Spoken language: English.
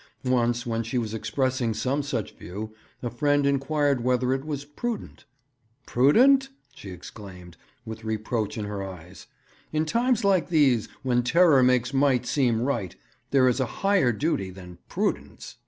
Once, when she was expressing some such view, a friend inquired whether it was prudent. 'Prudent?' she exclaimed, with reproach in her eyes. 'In times like these, when terror makes might seem right, there is a higher duty than prudence.'